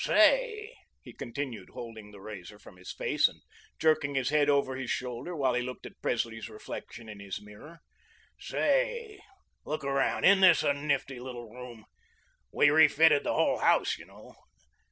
"Say," he continued, holding the razor from his face, and jerking his head over his shoulder, while he looked at Presley's reflection in his mirror; "say, look around. Isn't this a nifty little room? We refitted the whole house, you know.